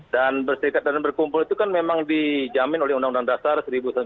dan bersedekat dan berkumpul itu kan memang dijamin oleh undang undang dasar seribu sembilan ratus empat puluh lima